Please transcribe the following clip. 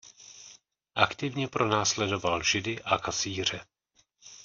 Aktivně pronásledoval Židy a kacíře.